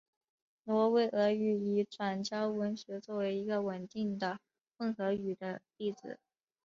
挪威俄语已转交文学作为一个稳定的混合语的例子。